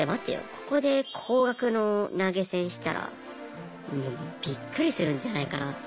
ここで高額の投げ銭したらもうビックリするんじゃないかなって。